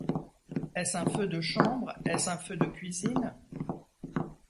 Est-ce un feu de chambre, est-ce un feu de cuisine ?…